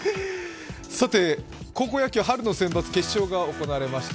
高校野球、春のセンバツ決勝が行われました。